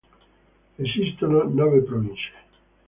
Esistono nove province.